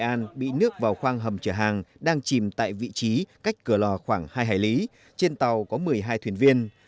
tàu hồng anh sáu mươi chín bị nước vào khoang hầm chở hàng đang chìm tại vị trí cách cửa lò khoảng hai hải lý trên tàu có một mươi hai thuyền viên